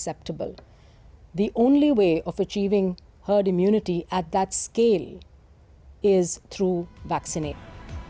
cara terakhir untuk mencapai herd immunity di skala tersebut adalah melalui vaksinasi